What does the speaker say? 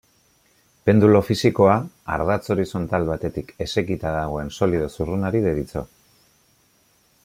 Pendulu fisikoa, ardatz horizontal batetik esekita dagoen solido zurrunari deritzo.